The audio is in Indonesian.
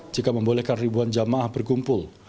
jika membolehkan ribuan jamaah berkumpul